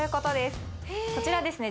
こちらですね